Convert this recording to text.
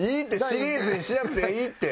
シリーズにしなくていいって！